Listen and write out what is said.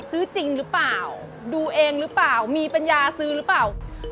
ซื้อจริงหรือเปล่าดูเองหรือเปล่ามีปัญญาซื้อหรือเปล่า